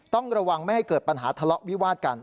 ต้องระวังไม่ให้เกิดปัญหาทะเลาะวิวาดกัน